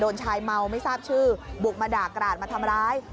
ชายเมาไม่ทราบชื่อบุกมาด่ากราดมาทำร้าย